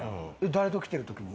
誰と来てる時に？